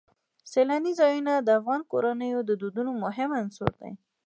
سیلانی ځایونه د افغان کورنیو د دودونو مهم عنصر دی.